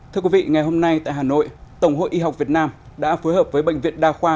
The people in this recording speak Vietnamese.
thưa quý vị ngày hôm nay tại hà nội tổng hội y học việt nam đã phối hợp với bệnh viện đa khoa